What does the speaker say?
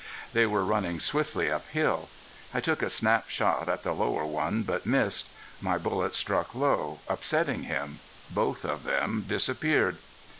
They were running swiftly up hill. I took a snap shot at the lower one, but missed. My bullet struck low, upsetting him. Both of them disappeared.